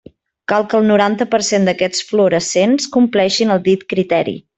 Cal que el noranta per cent d'aquests fluorescents compleixin el dit criteri.